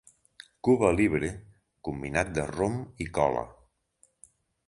Cuba Libre, combinat de rom i cola.